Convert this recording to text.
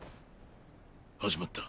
始まった。